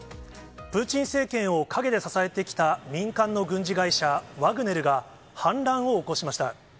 プーチン政権を陰で支えてきた民間の軍事会社、ワグネルが、反乱を起こしました。